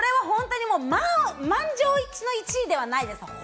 満場一致の１位ではないです。